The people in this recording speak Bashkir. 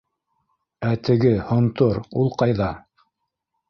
Ә теге... һонтор... ул ҡайҙа?